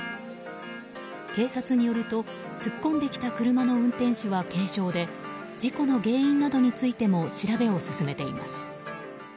警察によると、突っ込んできた車の運転手は軽傷で事故の原因などについても調べを進めています。